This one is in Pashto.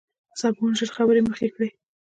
سباوون ژر خبره مخکې کړه.